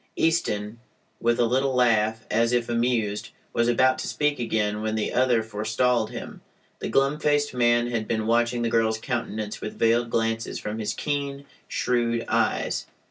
Easton, with a little laugh, as if amused, was about to speak again when the other forestalled him. The glum faced man had been watching the girl's countenance with veiled glances from his keen, shrewd eyes.